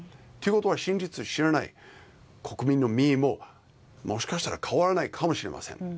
ということは真実を知らない国民の民意ももしかしたら変わらないかもしれません。